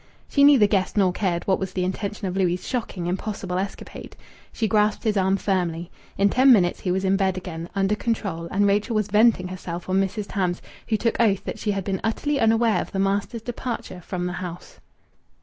She neither guessed nor cared what was the intention of Louis' shocking, impossible escapade. She grasped his arm firmly. In ten minutes he was in bed again, under control, and Rachel was venting herself on Mrs. Tams, who took oath that she had been utterly unaware of the master's departure from the house.